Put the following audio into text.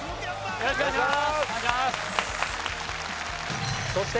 よろしくお願いします